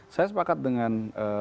saya sepakat dengan